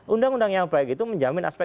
undang undang yang baik itu menjamin aspek